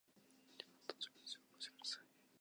二番搭乗口へお越しください。